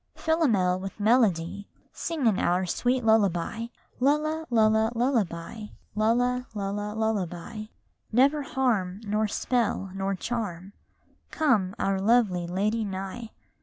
Chorus Philomel with melody Sing in our sweet lullaby! Lulla, lulla, lullaby; lulla, lulla, lullaby! Never harm, nor spell, nor charm, Come our lovely lady nigh